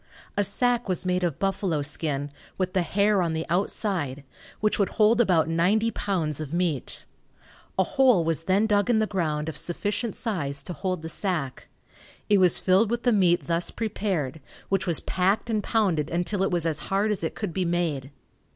A sack was made of buffalo skin, with the hair on the outside, which would hold about ninety pounds of meat. A hole was then dug in the ground of sufficient size to hold the sack. It was filled with the meat thus prepared, which was packed and pounded until it was as hard as it could be made.